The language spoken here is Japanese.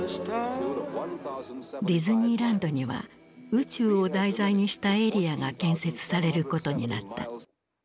ディズニーランドには宇宙を題材にしたエリアが建設されることになった。